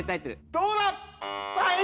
どうだ？